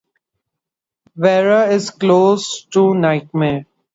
Vera is closer to nightmare.